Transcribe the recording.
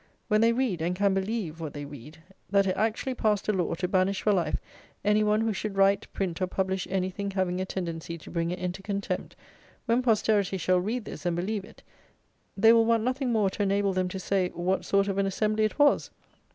When they read (and can believe what they read) that it actually passed a law to banish for life any one who should write, print, or publish anything having a tendency to bring it into contempt; when posterity shall read this, and believe it, they will want nothing more to enable them to say what sort of an assembly it was!